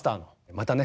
またね「